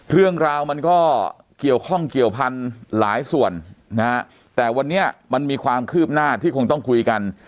เรื่องราวมันก็เกี่ยวข้องเกี่ยวพันธุ์หลายส่วนนะฮะแต่วันนี้มันมีความคืบหน้าที่คงต้องคุยกัน